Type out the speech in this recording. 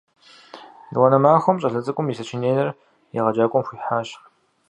Етӏуанэ махуэм щӏалэ цӏыкӏум и сочиненэр егъэджакӏуэм хуихьащ.